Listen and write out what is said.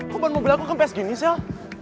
kok ban mobil aku kempes gini sel